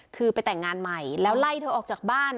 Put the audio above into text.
คือไปแต่งงานใหม่แล้วไล่เธอออกจากบ้าน